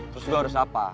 terus gue harus apa